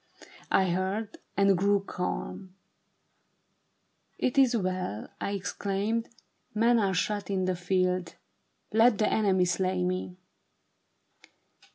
I heard, and grew calm. * It is well,' I exclaimed. ' Men are shot in the field : Let the enemy slay me.'